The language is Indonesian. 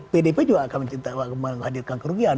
pdp juga akan menghadirkan kerugian